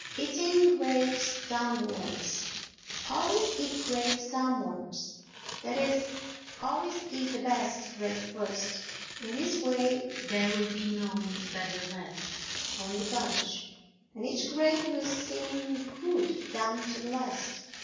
Eating Grapes Downwards Always eat grapes downwards—that is, always eat the best grape first; in this way there will be none better left on the bunch, and each grape will seem good down to the last.